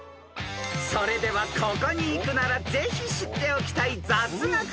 ［それではここに行くならぜひ知っておきたい雑学から問題］